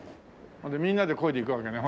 みんなでこいでいくわけね。